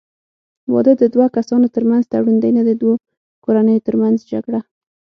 واده د دوه کسانو ترمنځ تړون دی، نه د دوو کورنیو ترمنځ جګړه.